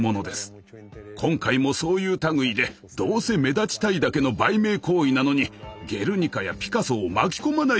今回もそういう類いでどうせ目立ちたいだけの売名行為なのに「ゲルニカ」やピカソを巻き込まないでくれと思いました。